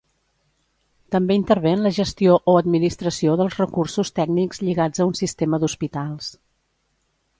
També intervé en la gestió o administració dels recursos tècnics lligats a un sistema d'hospitals.